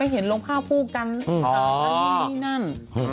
ไปเห็นร่มข้าวผู้กันตั้งที่นี่นั่น